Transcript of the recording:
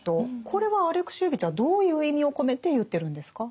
これはアレクシエーヴィチはどういう意味を込めて言ってるんですか？